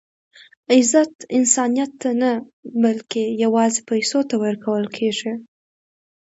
عزت انسانیت ته نه؛ بلکي یوازي پېسو ته ورکول کېږي.